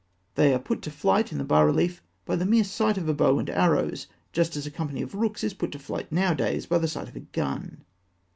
They are put to flight in the bas reliefs by the mere sight of a bow and arrows, just as a company of rooks is put to flight nowadays by the sight of a gun.